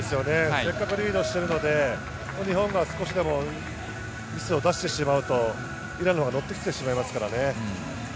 せっかくリードしているので、日本が少しでもミスを出してしまうとイランが乗ってきてしまいますからね。